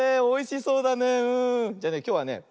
おいしそうだね。